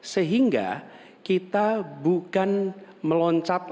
sehingga kita bukan meloncat langkah